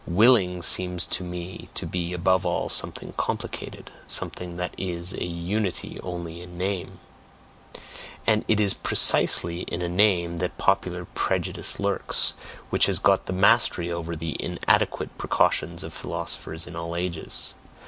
Willing seems to me to be above all something COMPLICATED, something that is a unity only in name and it is precisely in a name that popular prejudice lurks, which has got the mastery over the inadequate precautions of philosophers in all ages.